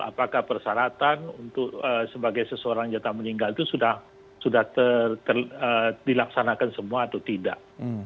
apakah persyaratan untuk sebagai seseorang jatah meninggal itu sudah dilaksanakan semua atau tidak